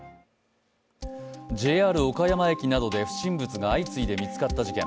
ＪＲ岡山駅などで不審物が相次いで見つかった事件。